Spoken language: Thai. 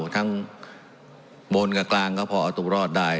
ทั้งบนกับกลางก็พอเอาตัวรอดได้